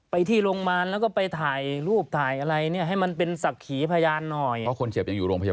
ไปที่โรงพยาบาลแล้วก็ไปถ่ายรูปถ่ายอะไรเนี่ยให้มันเป็นศักดิ์ขี่พยานหน่อย